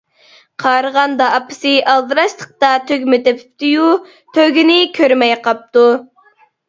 قارىغاندا ئاپىسى ئالدىراشلىقتا تۈگمە تېپىپتۇ-يۇ، تۆگىنى كۆرمەي قاپتۇ.